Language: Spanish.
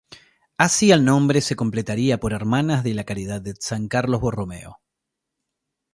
Así al nombre se completaría por Hermanas de la Caridad de San Carlos Borromeo.